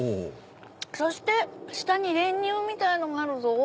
そして下に練乳みたいのがあるぞ。